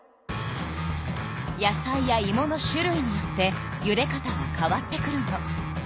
野菜やいもの種類によってゆで方は変わってくるの。